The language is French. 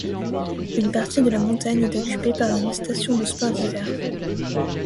Une partie de la montagne est occupée par une station de sports d'hiver.